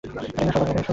এটাই আসল পার্থক্য।